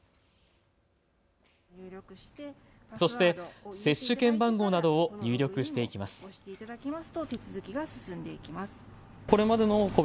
そして接種券番号などを入力していきます。